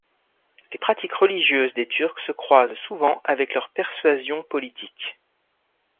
Les pratiques religieuses des Turcs se croisent souvent avec leurs persuasions politiques.